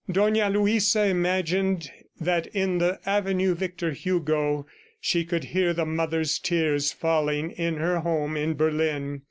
Dona Luisa imagined that in the avenue Victor Hugo, she could hear the mother's tears falling in her home in Berlin.